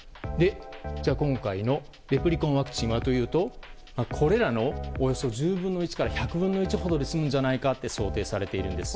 今回のレプリコンワクチンはこれらのおよそ１０分の１から１００分の１くらいに済むんじゃないかと想定されているんです。